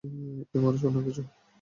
এই মানুষ না অন্য কিছু।